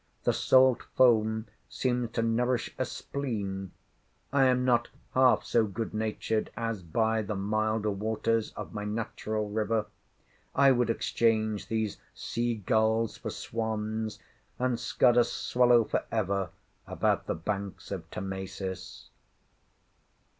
The salt foam seems to nourish a spleen. I am not half so good natured as by the milder waters of my natural river. I would exchange these sea gulls for swans, and scud a swallow for ever about the banks of Thamesis.